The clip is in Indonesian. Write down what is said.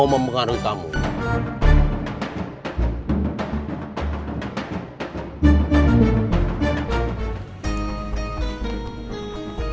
ya udah aneh kantor eingin dia auto